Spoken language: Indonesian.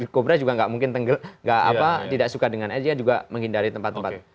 kobra juga tidak suka dengan air dia juga menghindari tempat tempat